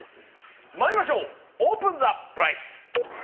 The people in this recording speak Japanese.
まいりましょうオープンザプライス。